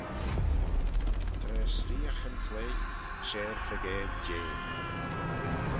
Tra s'reeagh yn chloie, share faagail jeh.